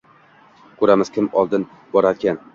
Koʻramiz, kim oldin borarkan